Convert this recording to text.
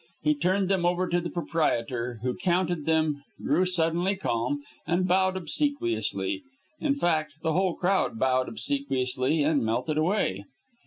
He turned them over to the proprietor, who counted them, grew suddenly calm, and bowed obsequiously in fact, the whole crowd bowed obsequiously and melted away.